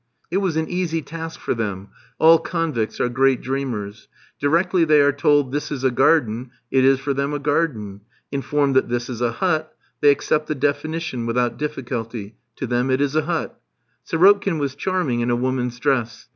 It was an easy task for them; all convicts are great dreamers. Directly they are told "this is a garden," it is for them a garden. Informed that "this is a hut," they accept the definition without difficulty. To them it is a hut. Sirotkin was charming in a woman's dress.